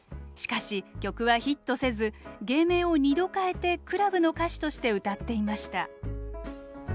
しかし曲はヒットせず芸名を２度変えてクラブの歌手として歌っていました。